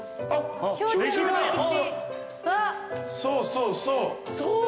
そうそうそう。